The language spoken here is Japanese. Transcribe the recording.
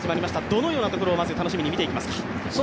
どのようなところを楽しみに見ていきますか。